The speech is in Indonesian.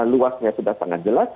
luasnya sudah sangat jelas